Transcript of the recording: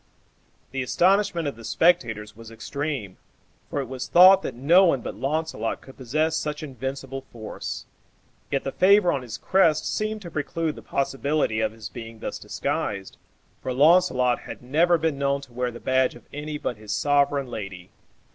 The astonishment of the spectators was extreme, for it was thought that no one but Launcelot could possess such invincible force; yet the favor on his crest seemed to preclude the possibility of his being thus disguised, for Launcelot had never been known to wear the badge of any but his sovereign lady.